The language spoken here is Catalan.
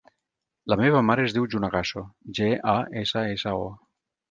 La meva mare es diu Juna Gasso: ge, a, essa, essa, o.